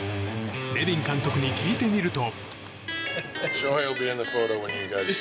ネビン監督に聞いてみると。